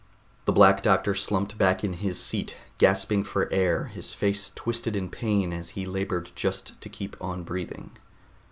The Black Doctor slumped back in his seat, gasping for air, his face twisted in pain as he labored just to keep on breathing.